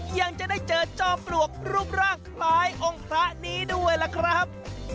ยังจะได้เจอจอมปลวกรูปร่างคล้ายองค์พระนี้ด้วยล่ะครับ